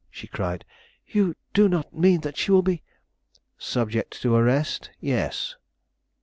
she cried; "you do not mean she will be " "Subject to arrest? Yes."